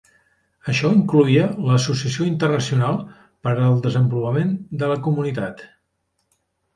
Això incloïa l'Associació Internacional per al Desenvolupament de la Comunitat.